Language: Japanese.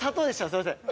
すいません